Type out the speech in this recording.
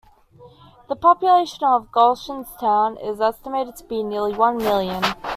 The population of Gulshan Town is estimated to be nearly one million.